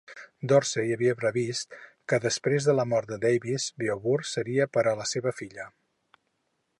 Dorsey havia previst que, després de la mort de Davis, Beauvoir seria per a la seva filla.